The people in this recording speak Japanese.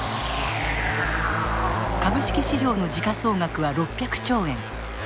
株式市場の時価総額は６００兆円。